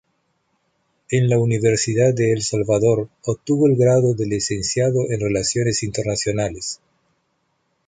En la Universidad de El Salvador, obtuvo el grado de Licenciado en Relaciones Internacionales.